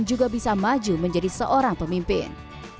juga bisa maju menjadi seorang pemimpin